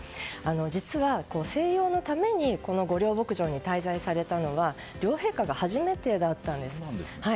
実は、静養のために御料牧場に滞在されたのは両陛下が初めてだったんだそうなんです。